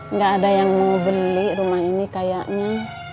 nggak ada yang mau beli rumah ini kayaknya